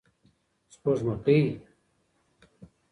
سپوږکۍ